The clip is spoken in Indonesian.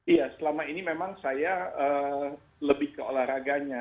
iya selama ini memang saya lebih ke olahraganya